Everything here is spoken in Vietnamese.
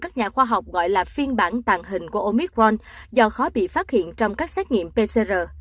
các nhà khoa học gọi là phiên bản tàn hình của omicron do khó bị phát hiện trong các xét nghiệm pcr